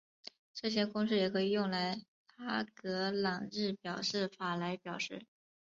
这些公式也可以用拉格朗日表示法来表示。